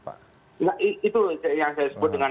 nah itu yang saya sebut dengan